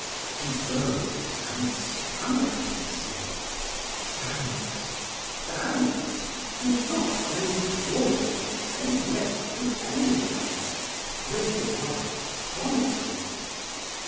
He rose and stammering: "Thanks thanks do not, I implore you, say yes to anyone. Wait a while. Promise me."